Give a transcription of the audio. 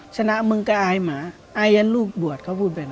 ชนะมึงก็อายหมาอายันลูกบวชเขาพูดแบบนั้น